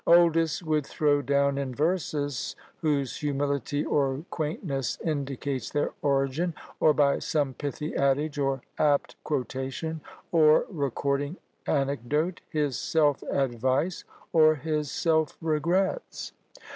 Oldys would throw down in verses, whose humility or quaintness indicates their origin, or by some pithy adage, or apt quotation, or recording anecdote, his self advice, or his self regrets!